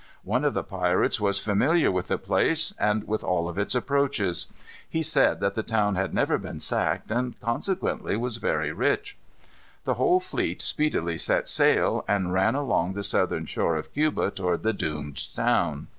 One of the pirates was familiar with the place and with all of its approaches. He said that the town had never been sacked, and consequently was very rich. The whole fleet speedily set sail, and ran along the southern shore of Cuba toward the doomed town.